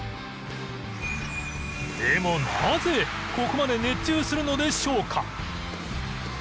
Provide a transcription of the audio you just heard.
でもなぜここまで熱中するのでしょうか？